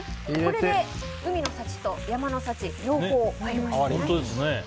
ここで海の幸と山の幸両方入りましたね。